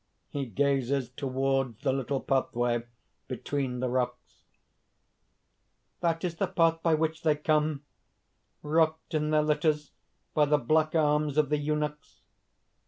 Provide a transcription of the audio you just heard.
(He gazes toward the little pathway between the rocks.) "That is the path by which they come, rocked in their litters by the black arms of the eunuchs.